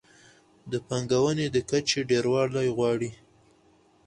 د پانګونې د کچې ډېروالی غواړي.